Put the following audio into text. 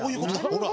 ほら。